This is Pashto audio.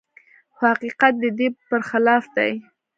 خو حقيقت د دې پرخلاف دی.